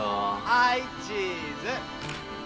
はいチーズ。